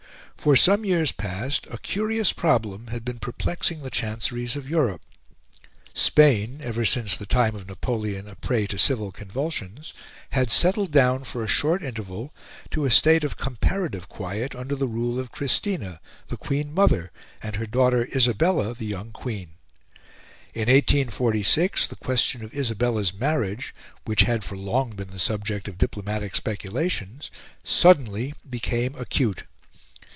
For some years past a curious problem had been perplexing the chanceries of Europe. Spain, ever since the time of Napoleon a prey to civil convulsions, had settled down for a short interval to a state of comparative quiet under the rule of Christina, the Queen Mother, and her daughter Isabella, the young Queen. In 1846, the question of Isabella's marriage, which had for long been the subject of diplomatic speculations, suddenly became acute.